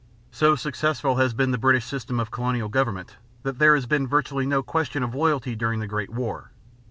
So successful has been the British system of colonial government that there has been virtually no question of loyalty during the Great War.